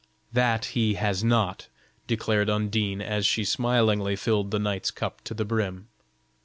"That he has not," declared Undine, as she smilingly filled the knight's cup to the brim.